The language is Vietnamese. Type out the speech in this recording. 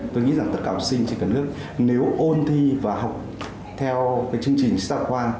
tôi nghĩ rằng tất cả học sinh trên cả nước nếu ôn thi và học theo chương trình xã hội khoa